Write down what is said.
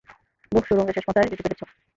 বোহ, সুরঙ্গের শেষ মাথায় যেতে পেরেছ?